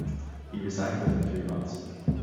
He resigned within three months.